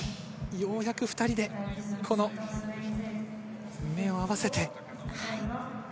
ようやく２人で目を合わせて。